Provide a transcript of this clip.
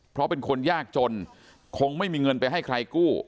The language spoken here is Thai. เพราะเป็นคนยากจนคงไม่มีเงินไปให้ใครกู้